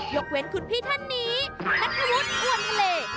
ยกเว้นคุณพี่ท่านนี้นัทธวุฒิอวนทะเล